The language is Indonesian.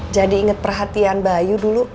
jadi inget perhatian bayu dulu